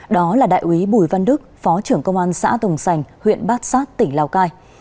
đó là đại úy bùi văn đức phó trưởng công an xã tồng sành huyện bát sát tỉnh lào cai